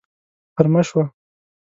غرمه شوه